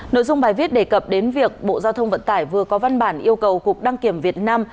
nội dung bài viết đề cập đến việc bộ giao thông vận tải vừa có văn bản yêu cầu cục đăng kiểm việt nam